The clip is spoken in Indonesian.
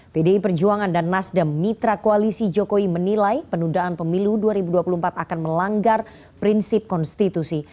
pdi perjuangan dan nasdem mitra koalisi jokowi menilai penundaan pemilu dua ribu dua puluh empat akan melanggar prinsip konstitusi